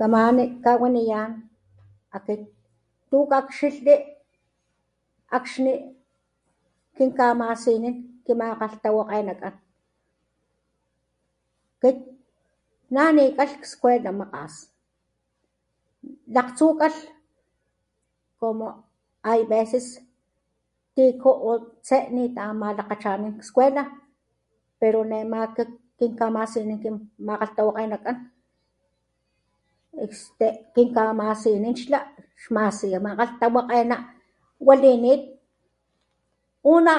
Kamani kawaniyan akit tu kakxilhli akxni kin kamasinin kimakgalhtawakgenakan kit nanikalh skuela makgas lakgtsu kalh como hay veces tiku o tse nitamalakgachanan skuela pero nema kinkamasinin kinmakgalhtawakgenakan este kinkamasinin xla xmasi makgalhtawakgena walinit pula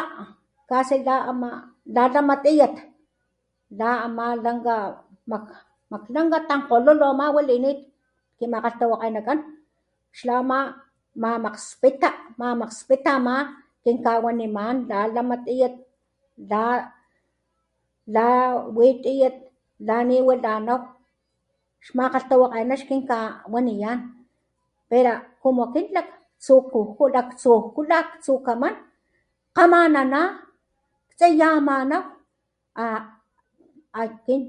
casi la ama la lama tiyat la ama lanka mak maklanka tankgololo ama walinit kimakgalhtawakgenakan xla ama mamakgspita, mamakgspita ama kinkawaniman la lama tiyat la la wi tiyat la niwilanaw xmakgalhtawakgena ix kinkawaniyan pera como akin laktsujkujku, laktsujku laktsukaman jkgamanana tsiyamanaw a akin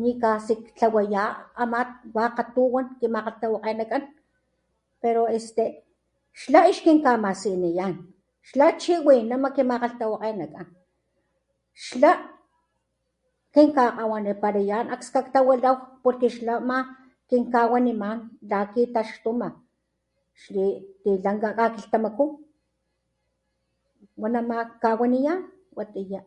ni casi ktlawaya ama wakga tuwan kin makgalhtawakgenakan pero este xla ixkin kamasiniyan xla chiwinama kimakgalhtawakgenakan xla kinkakgawanipalayan akskaktawilaw porque xla ama kinkawaniman la kitaxtuma xli tilanka kakilhtamaku wanama jkawaniyan. Watiya.